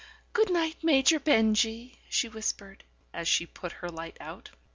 "Good night, Major Benjy," she whispered, as she put her light out.